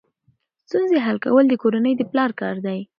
ستونزې حل کول د کورنۍ د پلار کار دی.